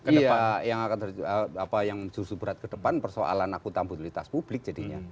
iya yang jursu berat ke depan persoalan akutang budilitas publik jadinya